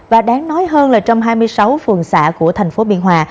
và đáng nói hơn là trong hai mươi sáu phường xã của thành phố biên hòa